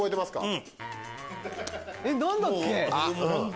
うん。何だっけ？